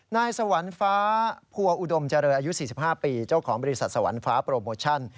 นายสวรรค์ฟ้าพัวอุดมเจริญอายุ๔๕ปีเจ้าของบริษัทสวรรฟ้าโปรโมชั่น